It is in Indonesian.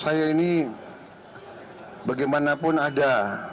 saya ini bagaimanapun ada